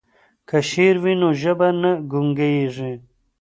که شعر وي نو ژبه نه ګونګیږي.